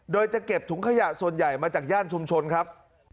โดยจะเก็บถุงขยะส่วนใหญ่มาจากย่านชุมชนครับ